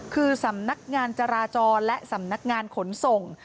คือสำนักงานจราจรและสำนักงานขนส่ง